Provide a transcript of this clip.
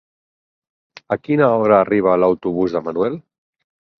A quina hora arriba l'autobús de Manuel?